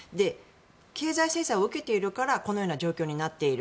経済制裁を受けているからこのような状況になっている。